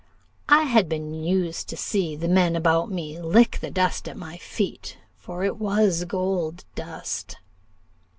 I had been used to see the men about me lick the dust at my feet, for it was gold dust.